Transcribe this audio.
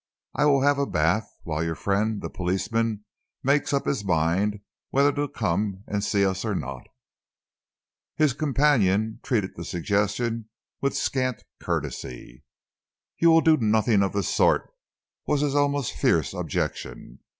I will have a bath while your friend, the policeman, makes up his mind whether to come and see us or not." His companion treated the suggestion with scant courtesy. "You will do nothing of the sort," was his almost fierce objection.